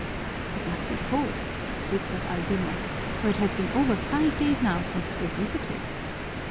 "It must be full," whispered Albino, "for it has been over five days now since it was visited."